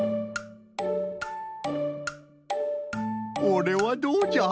これはどうじゃ？